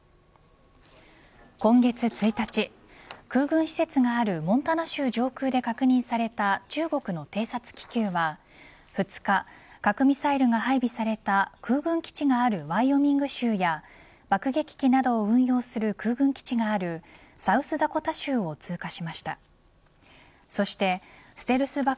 今月１日空軍施設があるモンタナ州上空で確認された中国の偵察気球は２日、核ミサイルが配備された空軍基地があるワイオミング州や爆撃機などを運用する空軍基地があるサウスダコタ州を通過しました。